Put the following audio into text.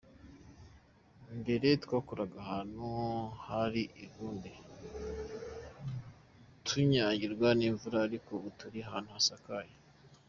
Mbere twakoreraga ahantu hari ivumbi, tunyagirwa n’imvura ariko ubu turi ahantu hasakaye.